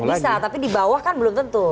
mungkin di elit bisa tapi di bawah kan belum tentu